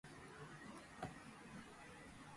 კერინჩი უმეტესწილად აგებულია ანდეზიტური ლავებით.